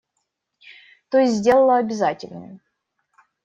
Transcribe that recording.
То есть сделала обязательным.